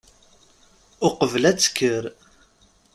Uqbel ad tekker.